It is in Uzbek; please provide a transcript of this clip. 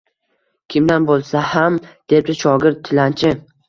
Kimdan bo’lsa ham!-debdi shogird tilanchi...